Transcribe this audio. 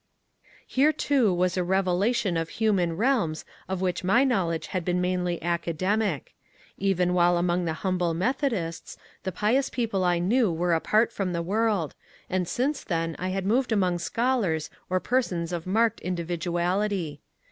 Here too was a revelation of human realms of which my knowledge had been mainly academic. Even while among the humble Methodists, the pious people I knew were apart from the world, and since then I had moved among scholars or persons of marked individuality.